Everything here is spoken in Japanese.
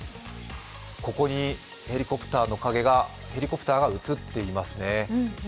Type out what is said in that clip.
ここにヘリコプターが映っていますね。